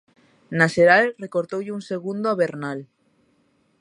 Na xeral, recortoulle un segundo a Bernal.